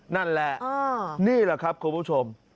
นั่นแหละนี่แหละครับคุณผู้ชม